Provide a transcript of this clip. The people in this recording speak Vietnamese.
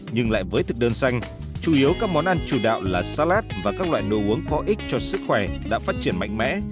nhưng lại với thực đơn xanh chủ yếu các món ăn chủ đạo là salat và các loại đồ uống có ích cho sức khỏe đã phát triển mạnh mẽ